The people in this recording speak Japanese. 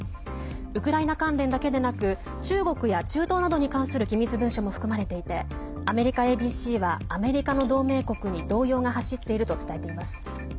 ウクライナ関連だけでなく中国や中東などに関する機密文書も含まれていてアメリカＡＢＣはアメリカの同盟国に動揺が走っていると伝えています。